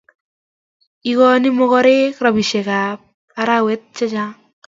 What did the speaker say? igoni mogorek robishekab arawet chechang